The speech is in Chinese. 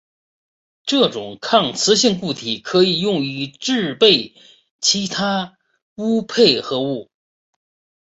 这种抗磁性固体可以用于制备其它钨配合物。